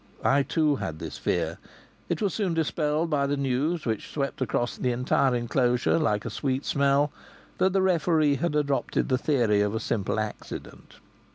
I too had this fear. It was soon dispelled by the news which swept across the entire enclosure like a sweet smell, that the referee had adopted the theory of a simple accident.